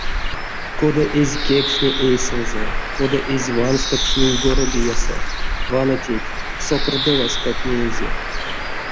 Кода эзь кекшне эйсэнзэ, кода эзь вансто кшнинь горобиясо — вана теть, сокор доваськак неизе.